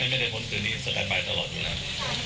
ไม่ได้พ้นคืนนี้สแตนบายตลอดอยู่แล้ว